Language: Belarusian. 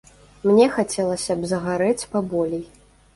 Мне хацелася б загарэць паболей.